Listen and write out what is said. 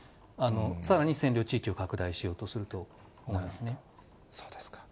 さらに占領地域を拡大しようとすそうですか。